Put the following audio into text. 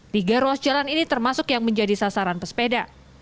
tiga ruas jalan ini termasuk yang menjadi sasaran pesepeda